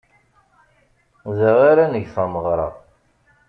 Da ara neg tameɣra.